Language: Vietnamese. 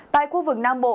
tại khu vực nam bộ